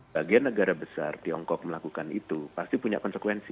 bagian negara besar tiongkok melakukan itu pasti punya konsekuensi